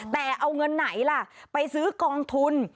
แต่เอาเงินไหนล่ะไปซื้อกองทุน